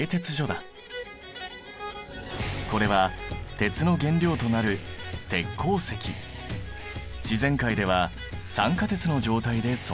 これは鉄の原料となる自然界では酸化鉄の状態で存在している。